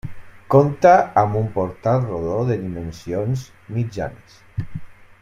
Compta amb un portal rodó de dimensions mitjanes.